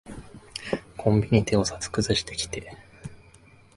コンビニでお札くずしてきて。